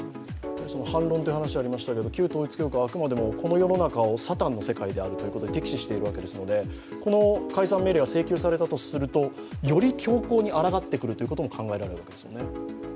反論という話がありましたけど、旧統一教会はあくまでも、この世の中をサタンの世界であるということで敵視しているわけですので、解散命令が強行されたとすると、より強硬に教皇に抗ってくるかもしれないですよね。